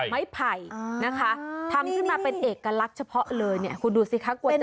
ไม้ไผ่นะคะทำด้วยมาเป็นเอกลักษณ์เฉพาะเลยคุณดูสิคะกว่าจะสานได้